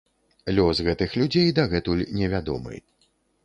Лёс гэтых людзей дагэтуль невядомы.